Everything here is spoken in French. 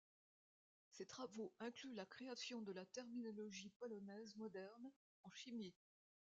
Ses travaux incluent la création de la terminologie polonaise moderne en chimie.